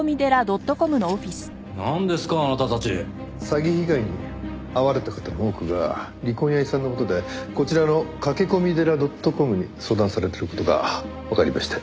詐欺被害に遭われた方の多くが離婚や遺産の事でこちらの駆け込み寺ドットコムに相談されてる事がわかりまして。